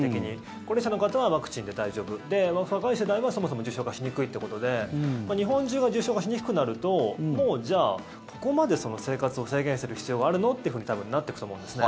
高齢者の方はワクチンで大丈夫若い世代は、そもそも重症化しにくいってことで日本中が重症化しにくくなるともうじゃあ、ここまで生活を制限する必要はあるの？っていうふうに多分なっていくと思うんですね。